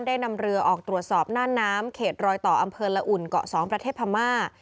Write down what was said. ได้นำเรือออกตรวจสอบน่านน้ำเขตรอยต่ออำเภอละอุ่นเกาะสองประเทศพม่า